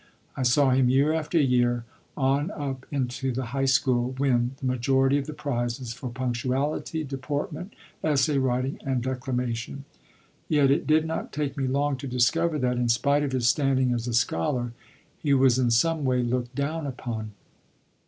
I saw him year after year, on up into the high school, win the majority of the prizes for punctuality, deportment, essay writing, and declamation. Yet it did not take me long to discover that, in spite of his standing as a scholar, he was in some way looked down upon.